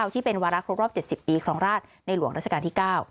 ที่เป็นวาระครบรอบ๗๐ปีครองราชในหลวงราชการที่๙